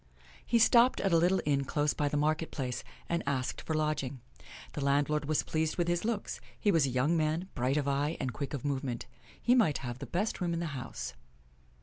He stopped at a little inn close by the market place, and asked for lodging. The landlord was pleased with his looks. He was a young man, bright of eye and quick of movement. He might have the best room in the house.